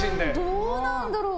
どうなんだろう。